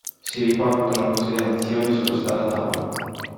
Si riportano considerazioni sullo stare a tavola.